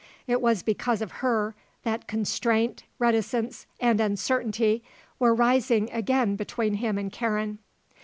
It was because of her that constraint, reticence and uncertainty were rising again between him and Karen.